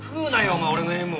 お前俺のＭ。